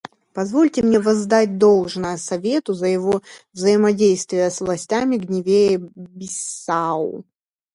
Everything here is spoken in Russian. Позвольте мне воздать должное Совету за его взаимодействие с властями Гвинеи-Бисау.